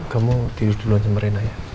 kamu tidur dulu dan sembarin aja